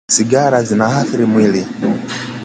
Sigara zina athari mwilini